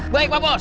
baik pak bos